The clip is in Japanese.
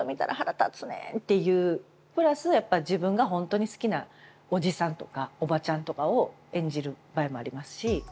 プラスやっぱ自分が本当に好きなおじさんとかおばちゃんとかを演じる場合もありますし。